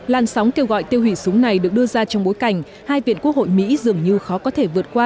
lan sóng kêu gọi tiêu hủy súng này được đưa ra trong bối cảnh hai viện quốc hội mỹ dường như khó có thể vượt qua